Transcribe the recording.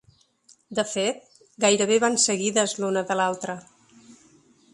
De fet, gairebé van seguides l’una de l’altra.